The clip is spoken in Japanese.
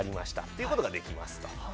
ということができます。